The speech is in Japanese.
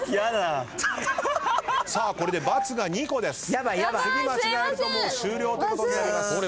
さあこれで×が２個です。